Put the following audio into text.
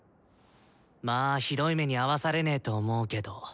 まぁひどい目に遭わされねと思うけど。